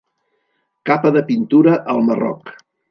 Capa de pintura al Marroc.